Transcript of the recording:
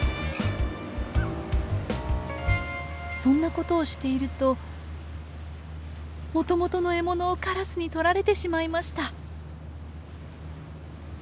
そんなことをしているともともとの獲物をカラスに取られてしまいました。